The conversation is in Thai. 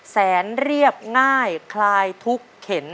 เรียบง่ายคลายทุกข์เข็น